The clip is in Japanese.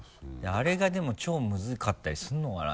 あれがでも超ムズかったりするのかな？